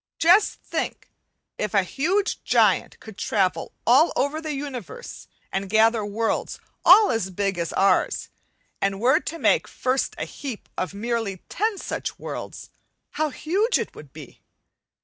Just think, if a huge giant could travel all over the universe and gather worlds, all as big as ours, and were to make first a heap of merely ten such worlds, how huge it would be!